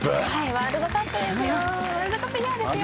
ワールドカップイヤーですよ。